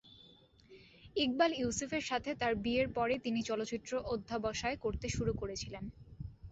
ইকবাল ইউসুফের সাথে তার বিয়ের পরেই তিনি চলচ্চিত্র অধ্যবসায় করতে শুরু করেছিলেন।